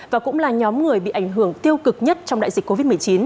và cũng là nhóm người bị ảnh hưởng tiêu cực nhất trong đại dịch covid một mươi chín